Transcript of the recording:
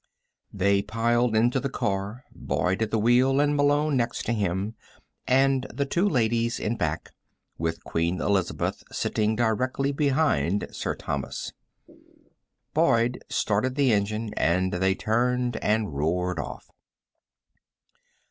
They piled into the car, Boyd at the wheel with Malone next to him, and the two ladies in back, with Queen Elizabeth sitting directly behind Sir Thomas. Boyd started the engine and they turned and roared off.